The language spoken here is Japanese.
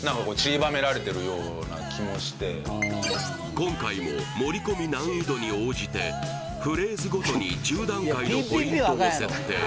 今回も盛り込み難易度に応じてフレーズごとに１０段階のポイントを設定